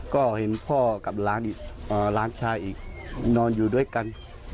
ก็เห็นพ่อกับหลานชายอีกนอนอยู่ด้วยกัน